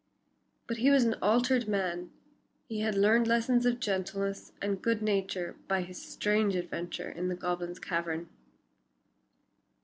But he was an altered man, he had learned lessons of gentleness and good nature by his strange adventures in the goblin's cavern.